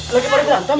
lagi pada berantem